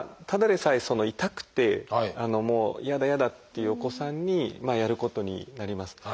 ただでさえ痛くてもう「嫌だ嫌だ」って言うお子さんにやることになります。